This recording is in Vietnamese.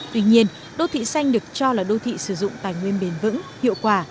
tuy nhiên đồ thị xanh được cho là đồ thị sử dụng tài nguyên bền vững hiệu quả